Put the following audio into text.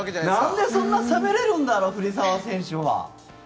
なんでそんなにできるんだろう、藤澤選手は。